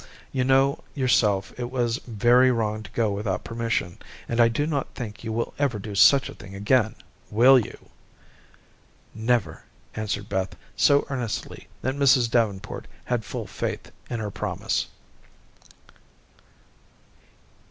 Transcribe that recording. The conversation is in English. "You know yourself it was very wrong to go without permission, and I do not think you will ever do such a thing again, will you?" "Never," answered Beth so earnestly that Mrs. Davenport had full faith in her promise.